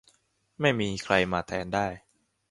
ไม่มีใครมาแทนได้